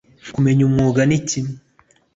Kumenya umwuga ni kimwe